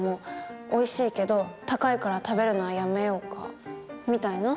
「おいしいけど高いから食べるのはやめようか」みたいな。